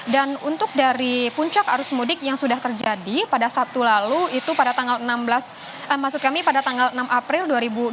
dan untuk dari puncak arus mudik yang sudah terjadi pada sabtu lalu itu pada tanggal enam belas maksud kami pada tanggal enam april dua ribu dua puluh empat